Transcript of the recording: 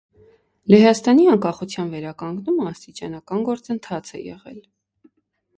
Լեհաստանի անկախության վերականգնումը աստիճանական գործընթաց է եղել։